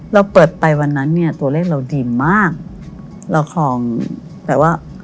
เราเปิดไปวันนั้นเนี่ยตัวเลขเราดีมากเราคลองแบบว่า